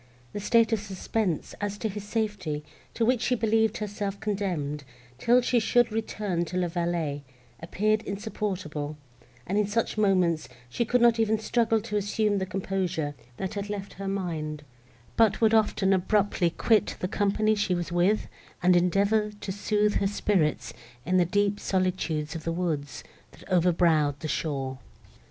The state of suspense, as to his safety, to which she believed herself condemned, till she should return to La Vallée, appeared insupportable, and, in such moments, she could not even struggle to assume the composure, that had left her mind, but would often abruptly quit the company she was with, and endeavour to sooth her spirits in the deep solitudes of the woods, that overbrowed the shore.